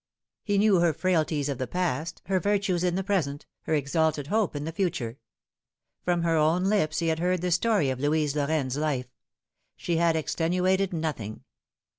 He knew her frailties of the past, her virtues in the present, her exalted hope in the future. From her own lips he had heard the story of Louise Lorraine's life. She had extenuated nothing.